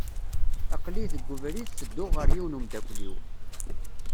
Aqlih deg ubrid tedduɣ ɣer yiwen n umeddakel-iw.